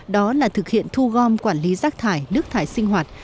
đó là thực hiện thu gom quản lý rác thải nước thải sinh hoạt